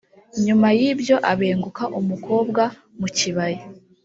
nyuma y’ibyo abenguka umukobwa wo mu kibaya